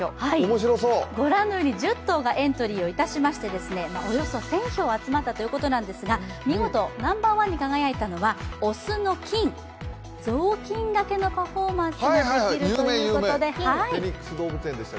ご覧のように１０頭がエントリーしましておよそ１０００票集まったということですが、見事ナンバーワンに輝いたのは雄のキン、雑巾がけのパフォーマンスができるということで。